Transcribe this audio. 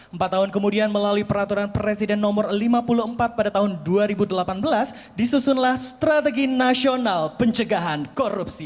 empat tahun kemudian melalui peraturan presiden nomor lima puluh empat pada tahun dua ribu delapan belas disusunlah strategi nasional pencegahan korupsi